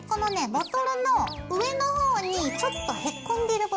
ボトルの上の方にちょっとへこんでる部分。